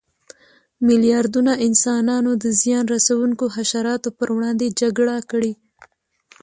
میلیاردونه انسانانو د زیان رسونکو حشراتو پر وړاندې جګړه کړې.